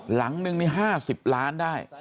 หลังนึงนี่๕๐ล้านได้